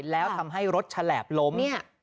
แล้วทำให้รถฉลาบล้ม